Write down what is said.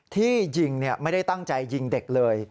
ที่ยิงไม่ได้ตั้งใจยิงเด็กเลย